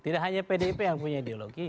tidak hanya pdip yang punya ideologi